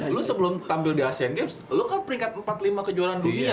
lo sebelum tampil di asian games lo kan peringkat empat lima kejuaraan dunia